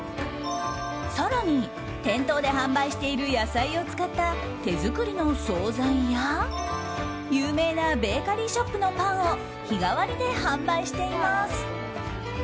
更に店頭で販売している野菜を使った手作りの総菜や有名なベーカリーショップのパンを日替わりで販売しています。